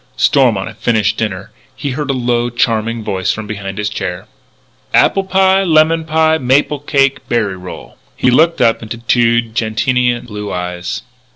Stormont had finished dinner. He heard a low, charming voice from behind his chair: "Apple pie, lemon pie, maple cake, berry roll." He looked up into two gentian blue eyes.